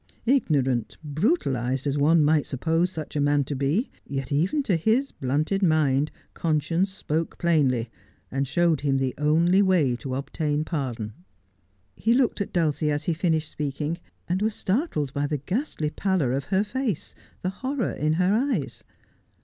Ignorant, brutalized as one might suppose such a man to be, yet even to his blunted mind conscience spoke plainly, and showed him the only way to obtain pardon.' He looked at Dulcie as he finished speaking, and was startled by the ghastly pallor of her face — the horror in her eyes.